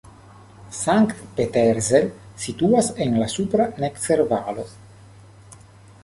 Sankt-Peterzell situas en la supra Necker-Valo.